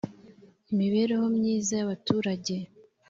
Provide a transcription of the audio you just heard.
imibereho myiza y abaturage